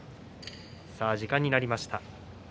時間になりました。